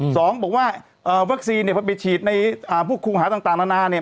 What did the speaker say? ๒บอกว่าวัคซีนพอไปฉีดในพวกครูหาต่างนานา